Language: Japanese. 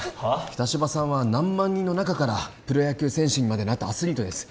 北芝さんは何万人の中からプロ野球選手にまでなったアスリートです